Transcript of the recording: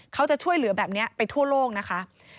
เขาจะช่วยเหลือแบบนี้ไปทั่วโลกนะคะ